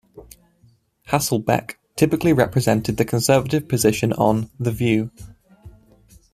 Hasselbeck typically represented the conservative position on "The View".